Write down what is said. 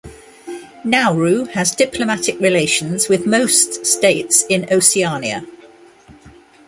Nauru has diplomatic relations with most states in Oceania.